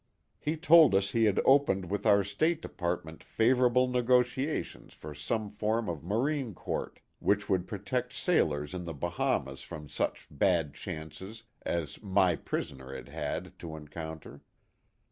He told us he had opened with our State Department favorable negotia tions for some form of Marine Court which would protect sailors in the Bahamas from such bad chances as " my prisoner " had had to encounter.